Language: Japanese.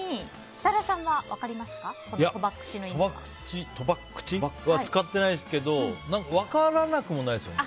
とばっくちは使っていないですけど分からなくもないですよね。